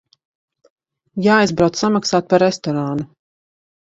Jāaizbrauc samaksāt par restorānu.